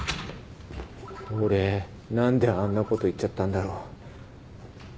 俺何であんなこと言っちゃったんだろ。